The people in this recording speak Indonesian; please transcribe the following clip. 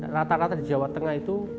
rata rata di jawa tengah itu